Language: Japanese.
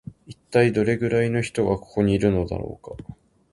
一体どれくらいの人がここのいるのだろうか